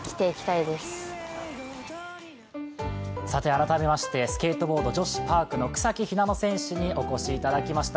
改めまして、スケートボード女子パークの草木ひなの選手にお越しいただきました。